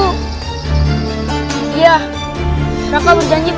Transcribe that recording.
raka raka sudah berjanji tidak akan meninggalkanku